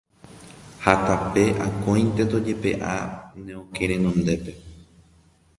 Ha tape akóinte tojepe'a ne okẽ renondépe.